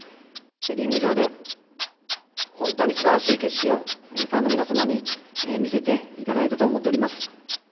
リング上で本当にすばらしい景色を、ファンの皆様に見せていただいたと思っています。